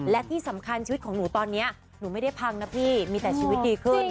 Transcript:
และที่สำคัญชีวิตของหนูตอนนี้หนูไม่ได้พังนะพี่มีแต่ชีวิตดีขึ้น